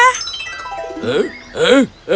huh huh itu